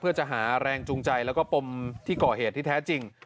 เพื่อจะหาแรงจูงใจแล้วก็ปมที่ก่อเหตุที่แท้จริง